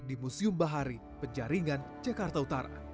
di museum bahari penjaringan jakarta utara